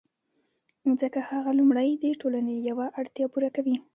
ځکه هغه لومړی د ټولنې یوه اړتیا پوره کوي